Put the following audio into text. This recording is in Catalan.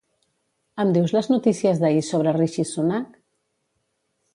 Em dius les notícies d'ahir sobre Rishi Sunak?